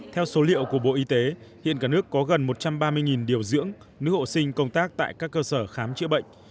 theo số liệu của bộ y tế hiện cả nước có gần một trăm ba mươi điều dưỡng nữ hộ sinh công tác tại các cơ sở khám chữa bệnh